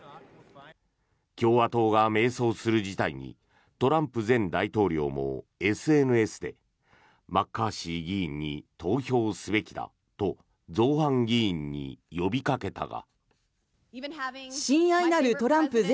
共和党が迷走する事態にトランプ前大統領もＳＮＳでマッカーシー議員に投票すべきだと造反議員に呼びかけたが。